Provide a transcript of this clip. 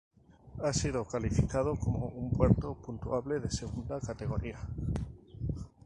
Ha sido calificado como un puerto puntuable de segunda categoría.